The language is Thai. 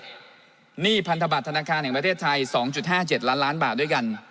หนี้พันธบัตรธนาคารแห่งประเทศไทย๒๕๗ล้านล้านบาทด้วยกัน